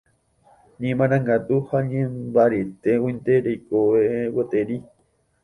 Nemarangatu ha nembaretéguinte reikove gueteri.